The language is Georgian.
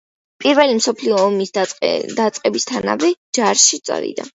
პირველი მსოფლიო ომის დაწყებისთანავე ჯარში წავიდა.